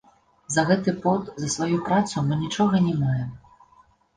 За гэты пот, за сваю працу мы нічога не маем.